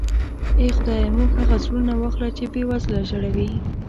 اې خدایه موږ هغه زړونه واخله چې بې وزله ژړوي.